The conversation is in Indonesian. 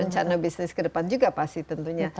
rencana bisnis ke depan juga pasti tentunya